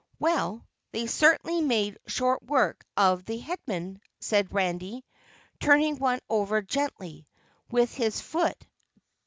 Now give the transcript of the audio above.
"Well, they certainly made short work of the Headmen," said Randy, turning one over gently with his foot.